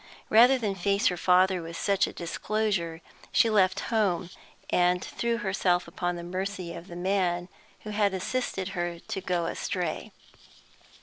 Rather than face her father with such a disclosure, she left home, and threw herself upon the mercy of the man who had assisted her to go astray.